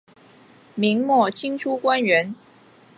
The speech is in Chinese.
明末清初官员。